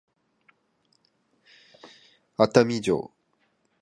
熱海城